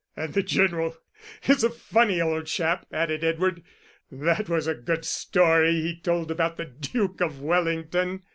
"And the General is a funny old chap," added Edward. "That was a good story he told about the Duke of Wellington."